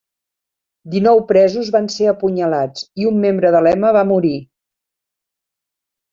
Dinou presos van ser apunyalats i un membre de l'Eme va morir.